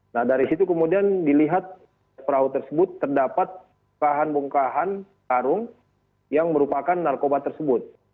nah dari situ kemudian dilihat perahu tersebut terdapat bongkahan bongkahan karung yang merupakan narkoba tersebut